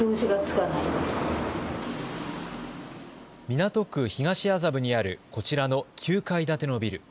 港区東麻布にあるこちらの９階建てのビル。